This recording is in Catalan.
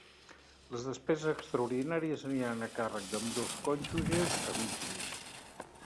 Les despeses extraordinàries aniran a càrrec d'ambdós cònjuges a mitges.